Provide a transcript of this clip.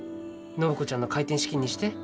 暢子ちゃんの開店資金にして。